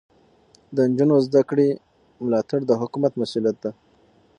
د نجونو زده کړې ملاتړ د حکومت مسؤلیت دی.